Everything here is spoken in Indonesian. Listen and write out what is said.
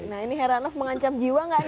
nah ini heranov mengancam jiwa gak